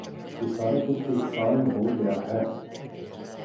یہ سارا کچھ ایک سال میں ہو گیا ہے۔